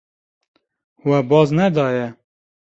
We baz nedaye.